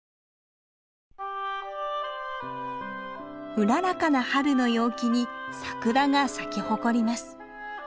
うららかな春の陽気にサクラが咲き誇ります。